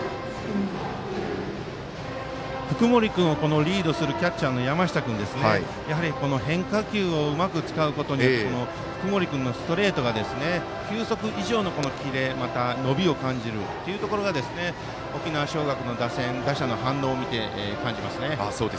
福盛君はリードするキャッチャーの山下君、変化球をうまく使うことによって福盛君のストレートが球速以上のキレ伸びを感じるというところが沖縄尚学の打線、打者の反応を見て感じますね。